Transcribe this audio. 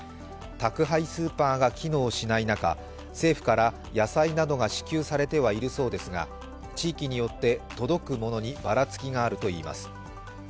宅配スーパーが機能しない中、政府から野菜などが支給されてはいるそうですが地域によって届くものにばらつきがあるといいます。